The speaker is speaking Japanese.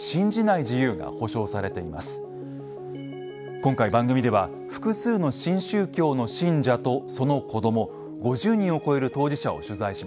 今回番組では複数の新宗教の信者とその子ども５０人を超える当事者を取材しました。